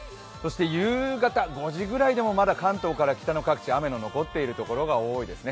夕方５時くらいでもまだ関東から北の各地、雨の残っているところが多いですね